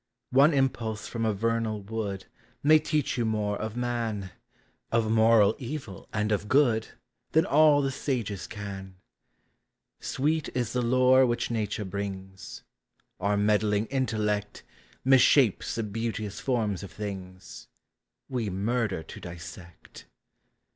One impulse from a vernal wood May teach you more of man, Of moral evil and of good, Than all the sages can. Sweet is the lore which nature brings; Our meddling intellect Misshapes the beauteous forms of things — We murder to dissect.